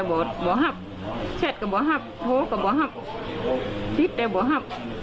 แม่บอกว่า